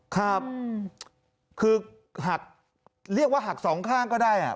ครับคือหักเรียกว่าหักสองข้างก็ได้